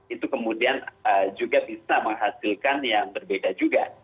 itu kemudian juga bisa menghasilkan yang berbeda juga